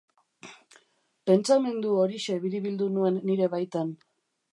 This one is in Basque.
Pentsamendu horixe biribildu nuen nire baitan.